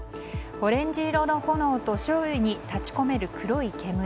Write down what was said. オレンジ色の炎と周囲に立ち込める黒い煙。